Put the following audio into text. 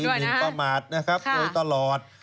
เป็นคดีหมินประมาทนะครับโดยตลอด